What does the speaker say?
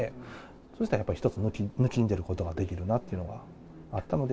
そうした一つ抜きんでることができるなっていうのがあったので。